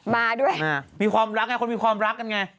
มาด้วยมีความรักไงคนมีความรักกันไง